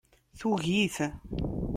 Tugi-t.